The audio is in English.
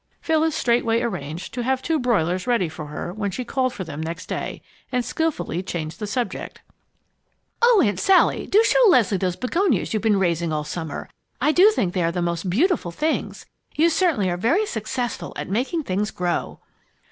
Phyllis straightway arranged to have two broilers ready for her when she called for them next day, and skilfully changed the subject. "Oh, Aunt Sally! do show Leslie those begonias you've been raising all summer. I do think they are the most beautiful things! You certainly are very successful at making things grow!"